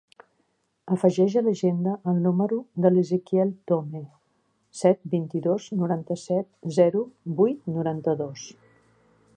Afegeix a l'agenda el número de l'Ezequiel Tome: set, vint-i-dos, noranta-set, zero, vuit, noranta-dos.